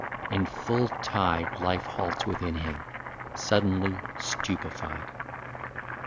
In full tide Life halts within him, suddenly stupefied.